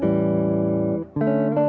terus ini dia